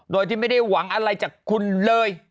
โดยที่ไม่ได้หวังอะไรจากคุณเลย